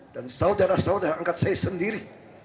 dan saudara saudara angkat saya sendiri